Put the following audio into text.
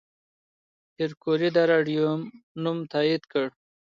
پېیر کوري د راډیوم نوم تایید کړ.